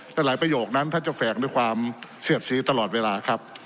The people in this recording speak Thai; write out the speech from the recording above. และหลายประโยคนั้นท่านจะแฝกด้วยความเสียดสีตลอดเวลาครับ